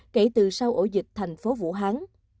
kể từ sau ổ dịch thành phố vũ hán